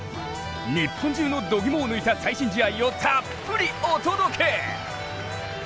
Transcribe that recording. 日本中のどぎもを抜いた最新試合をたっぷりお届け。